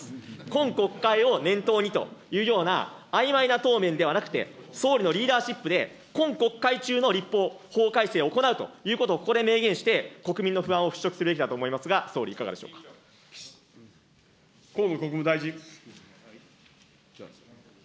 今国会を念頭にというようなあいまいな答弁ではなくて、総理のリーダーシップで、今国会中の立法、法改正を行うということをここで明言して、国民の不安を払拭すべきだと思いますが、総理、いかが河野国務大臣。